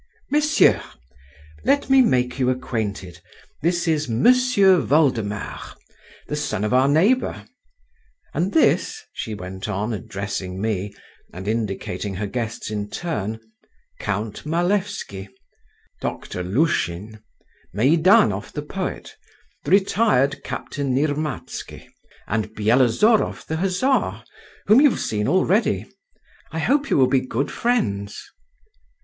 Messieurs, let me make you acquainted: this is M'sieu Voldemar, the son of our neighbour. And this," she went on, addressing me, and indicating her guests in turn, "Count Malevsky, Doctor Lushin, Meidanov the poet, the retired captain Nirmatsky, and Byelovzorov the hussar, whom you've seen already. I hope you will be good friends."